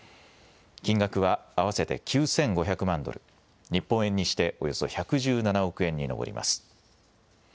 金額は合わせて９５００万ドル、日本円にしておよそ１１７億円に上ります。